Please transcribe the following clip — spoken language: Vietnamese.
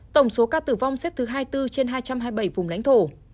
tổng số ca tử vong xếp thứ hai mươi bốn trên hai trăm hai mươi bảy vùng lãnh thổ